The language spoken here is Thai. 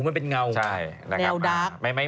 มันเป็นเงาอะเราเจอเนี่ย